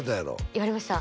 言われました